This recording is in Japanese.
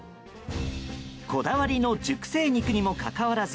こだわりの熟成肉にもかかわらず